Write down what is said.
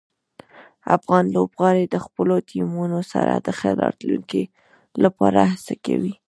افغان لوبغاړي د خپلو ټیمونو سره د ښه راتلونکي لپاره هڅه کوي.